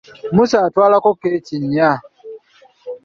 Musa atwalako keeki nnya.